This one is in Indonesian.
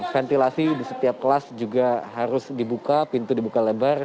ventilasi di setiap kelas juga harus dibuka pintu dibuka lebar